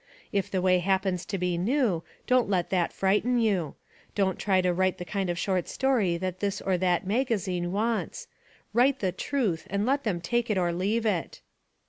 If the way happens to be new, don't let that frighten you. Don't try to write the kind of short story that this or that magazine wants; write the truth and let them take it or leave it.'